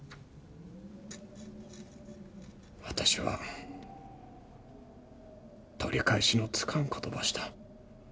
私は取り返しのつかんことばした。